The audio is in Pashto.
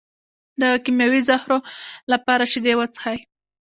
د کیمیاوي زهرو لپاره شیدې وڅښئ